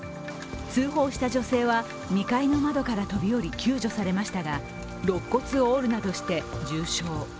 通報した女性は２階の窓から飛び降り救助されましたが肋骨を折るなどして重傷。